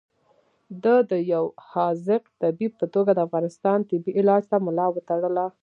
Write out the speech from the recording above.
ده د یو حاذق طبیب په توګه د افغانستان تبې علاج ته ملا وتړله.